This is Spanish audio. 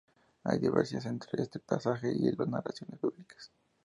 Hay divergencias entre este pasaje y las narraciones bíblicas.